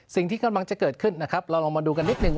สิ่งที่กำลังจะเกิดขึ้นนะครับเราลองมาดูกันนิดหนึ่ง